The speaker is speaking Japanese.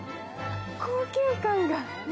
高級感が。